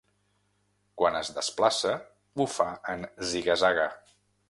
Quan es desplaça, ho fa en ziga-zaga.